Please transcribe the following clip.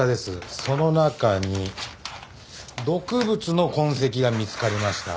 その中に毒物の痕跡が見つかりました。